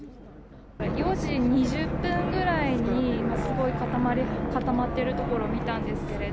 ４時２０分ぐらいにすごい固まっているところ見たんですけれど。